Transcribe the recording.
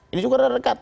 ini juga ada dekat